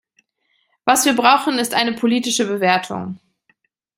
Was wir brauchen, ist eine politische Bewertung.